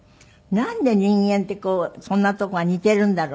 なんで人間ってそんなとこが似ているんだろう？って思う。